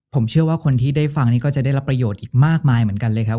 ผมเชื่อว่าคนที่ได้ฟังนี่ก็จะได้รับประโยชน์อีกมากมายเหมือนกันเลยครับ